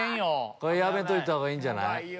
これやめといたほうがいいんじゃない？